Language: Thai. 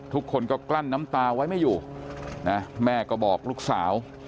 ทุกคนก็กลั้นน้ำตาไว้ไม่อยู่นะแม่ก็บอกลูกสาว